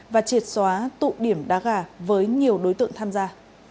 và triệt xóa tụ điểm đá gà với nhiều đối tượng tham gia